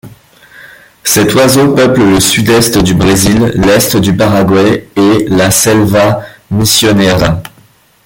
Cet oiseau peuple le sud-est du Brésil, l'est du Paraguay et la Selva Misionera.